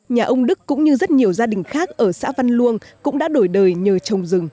nhà ông đức cũng như rất nhiều gia đình khác ở xã văn luông cũng đã đổi đời nhờ trồng rừng